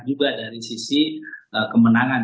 juga dari sisi kemenangan